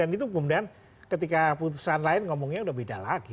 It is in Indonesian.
dan itu kemudian ketika putusan lain ngomongnya udah beda lagi